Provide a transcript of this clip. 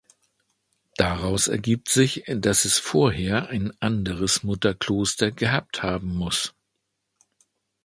Daraus ergibt sich, dass es vorher ein anderes Mutterkloster gehabt haben muss.